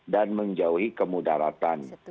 dan menjauhi kemudaratan